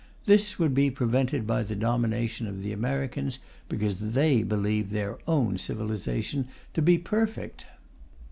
This would be prevented by the domination of the Americans, because they believe their own civilization to be perfect.